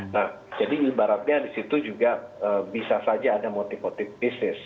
nah jadi ibaratnya di situ juga bisa saja ada motif motif bisnis